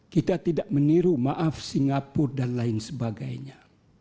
kita tidak meniru maaf singapura dan lain sebagainya